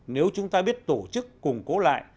nếu chúng ta biết tổ chức củng cố lại